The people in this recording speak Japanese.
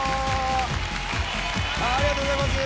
ありがとうございます。